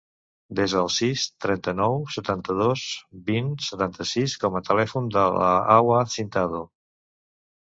Desa el sis, trenta-nou, setanta-dos, vint, setanta-sis com a telèfon de la Hawa Cintado.